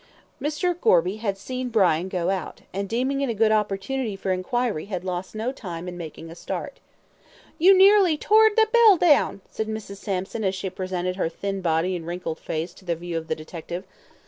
Mr. Gorby had seen Brian go out, and deeming it a good opportunity for enquiry had lost no time in making a start. "You nearly tored the bell down," said Mrs. Sampson, as she presented her thin body and wrinkled face to the view of the detective.